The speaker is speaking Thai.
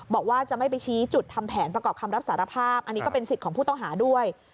บอกว่าจะไม่ไปชี้จุดทำแผนประกอบคำรับสารภาพอันนี้ก็เป็นสิทธิ์ของผู้ต้องหาด้วย